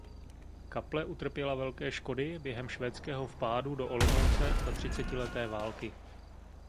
Kaple utrpěla velké škody během švédského vpádu do Olomouce za třicetileté války.